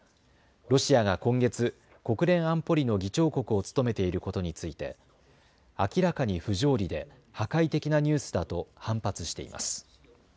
ロシアが今月、国連安保理の議長国を務めていることについて明らかに不条理で破壊的なニュースだと反発しています。